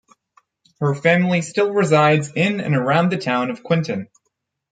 Her family still resides in and around the town of Quinton.